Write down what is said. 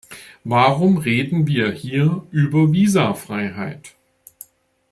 Warum reden wir hier über Visafreiheit?